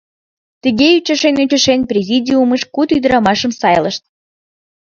Тыге ӱчашен-ӱчашен, президиумыш куд ӱдырамашым сайлышт.